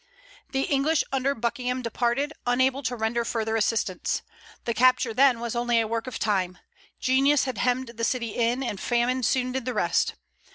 The English under Buckingham departed, unable to render further assistance. The capture then was only a work of time; genius had hemmed the city in, and famine soon did the rest.